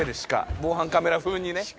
防犯カメラ風にね」